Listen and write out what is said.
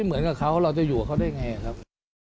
เหมือนกับเขาเราจะอยู่กับเขาได้ไงครับ